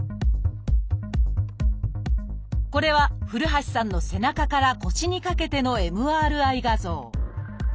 これは古橋さんの背中から腰にかけてのＭＲＩ画像。